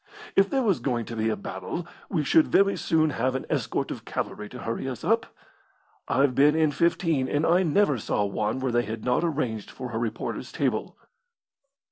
"If there was going to be a battle we should very soon have an escort of cavalry to hurry us up. I've been in fifteen, and I never saw one where they had not arranged for a reporter's table."